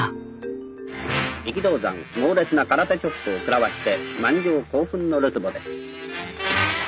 力道山猛烈な空手チョップを食らわして満場興奮のるつぼです。